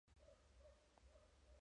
Daphne diseña moda, joyas y perfumes.